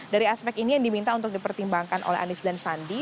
dari aspek ini yang diminta untuk dipertimbangkan oleh anies dan sandi